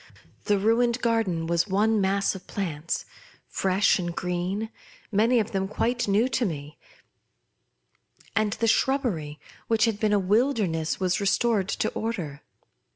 The ruined garden was one mass of plants, fresh and green, many of them quite new to me ; and the shrubbery, which had been a wilderness, was restored to order.